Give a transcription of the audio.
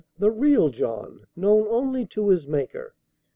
The real John; known only to his Maker.